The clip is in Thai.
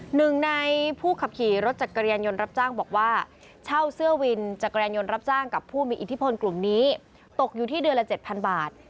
หนึ่งในผู้ขับขี่รถจักรยานยนต์รับจ้างบอกว่าเช่าเสื้อวินจักรยานยนต์รับจ้างกับผู้มีอิทธิพลกลุ่มนี้ตกอยู่ที่เดือนละ๗๐๐บาท